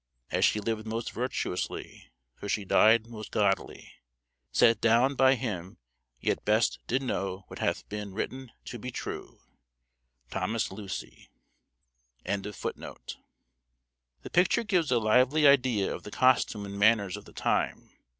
As shee lived most virtuotisly so shee died most Godly. Set downe by him yt best did knowe what hath byn written to be true. Thomas Lucye. The picture gives a lively idea of the costume and manners of the time.